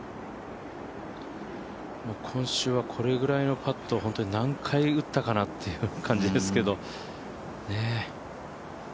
今週はこれくらいのパット、何回くらい打ったかなという感じですけど。